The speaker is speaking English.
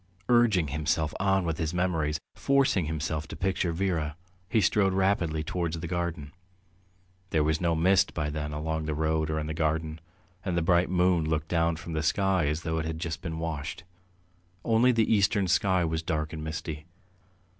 Urging himself on with his memories, forcing himself to picture Vera, he strode rapidly towards the garden. There was no mist by then along the road or in the garden, and the bright moon looked down from the sky as though it had just been washed; only the eastern sky was dark and misty.